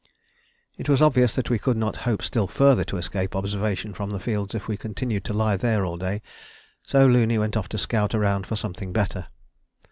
It was obvious that we could not hope still further to escape observation from the fields if we continued to lie there all day, so Looney went off to scout around for something better.